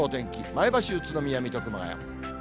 前橋、宇都宮、水戸、熊谷。